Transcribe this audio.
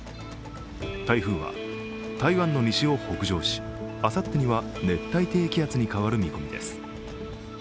台風は台湾の西を北上し、あさってには熱帯低気圧に変わる見込みです。